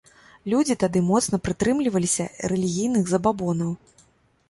Людзі тады моцна прытрымліваліся рэлігійных забабонаў.